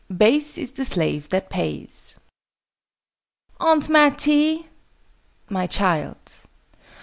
"Base is the slave that pays." "Aunt Mattie!" "My child?"